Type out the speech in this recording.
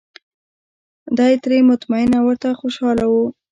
دای ترې مطمین او ورته خوشاله و.